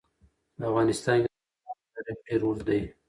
په افغانستان کې د اوښانو تاریخ ډېر اوږد دی.